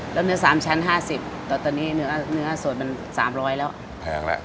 แล้วเนื้อสามชั้นห้าสิบตอนตอนนี้เนื้อเนื้อส่วนมันสามร้อยแล้วแพงแหละ